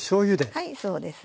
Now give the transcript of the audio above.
はいそうです。